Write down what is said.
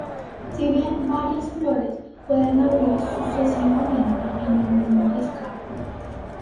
Si bien varias flores pueden abrir sucesivamente en el mismo escapo.